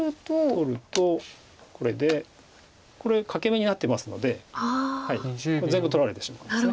取るとこれでこれ欠け眼になってますのでこれ全部取られてしまうんです。